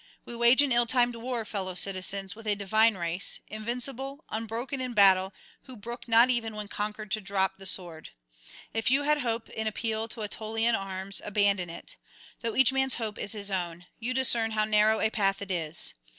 We wage an ill timed war, fellow citizens, with a divine race, invincible, unbroken in battle, who brook not even when conquered to drop the sword. If you had hope in appeal to Aetolian arms, abandon it; though each man's hope is his own, you discern how narrow a path it is.